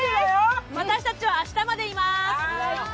私たちは明日までいます。